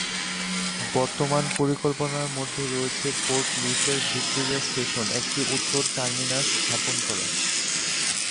বর্তমান পরিকল্পনার মধ্যে রয়েছে পোর্ট লুইসের ভিক্টোরিয়া স্টেশন একটি উত্তর টার্মিনাস স্থাপন করা।